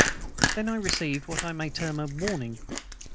"Then I received what I may term a warning.